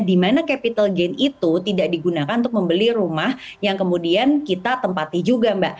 dimana capital gain itu tidak digunakan untuk membeli rumah yang kemudian kita tempati juga mbak